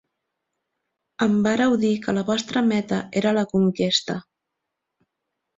Em vàreu dir que la vostra meta era la conquesta.